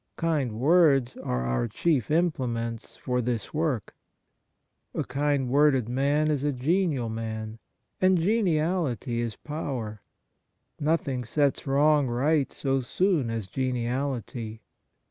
Kind words are our chief implements for this work. A kind worded man is a genial man ; and Kind Words 83 geniality is power. Nothing sets wrong right so soon as geniality.